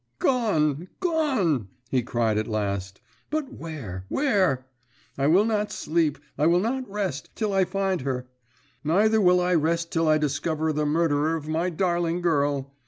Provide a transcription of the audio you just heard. "Gone! Gone!" he cried at last. "But where, where? I will not sleep, I will not rest, till I find her! Neither will I rest till I discover the murderer of my darling girl!